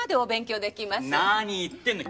何言ってんの。